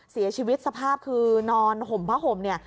เสียชีวิตสภาพคือนอนห่มผ้าห่มเนี่ย